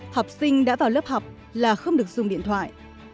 học sinh đã vào lớp học là không được dùng điện thoại